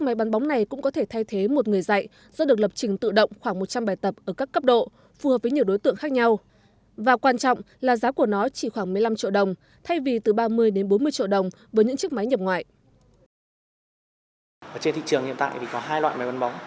máy bắn bóng sử dụng khi nén có nhược điểm là máy bắn bóng sẽ chậm